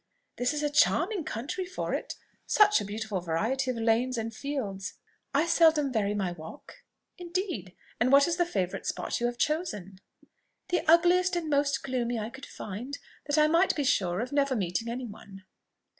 "This is a charming country for it such a beautiful variety of lanes and fields." "I seldom vary my walk." "Indeed! And what is the favourite spot you have chosen?" "The ugliest and most gloomy I could find, that I might be sure of never meeting any one."